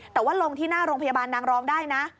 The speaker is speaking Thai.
แต่ว่าลงที่หน้าโรงพยาบาลนางรองได้นะ